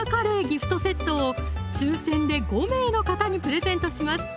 ギフトセットを抽選で５名の方にプレゼントします